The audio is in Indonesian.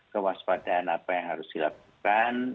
kewaspadaan apa yang harus dilakukan